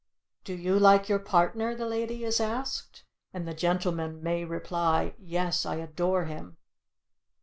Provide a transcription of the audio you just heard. "Do you like your partner?" the lady is asked, and the gentleman may reply, "Yes, I adore him."